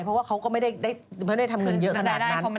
เพราะว่าเขาก็ไม่ได้ทำเงินเยอะขนาดนั้น